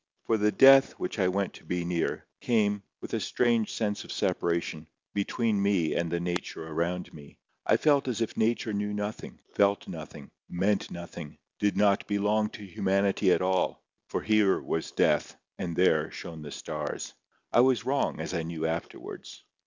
For the death which I went to be near, came, with a strange sense of separation, between me and the nature around me. I felt as if nature knew nothing, felt nothing, meant nothing, did not belong to humanity at all; for here was death, and there shone the stars. I was wrong, as I knew afterwards.